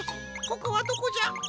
ここはどこじゃ？